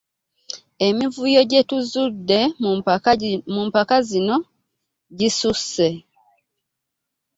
Emivuyo gye tuzudde mu mpaka zino gisusse!